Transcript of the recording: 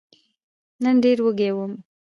نن ډېر وږی وم !